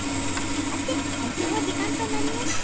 さて今週も時間となりました。